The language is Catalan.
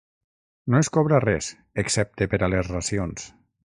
No es cobra res, excepte per a les racions.